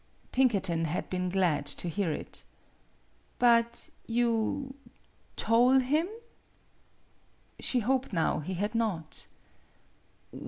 Pinkerton had been glad to hear it. " But you tole him ?" She hoped now he had not.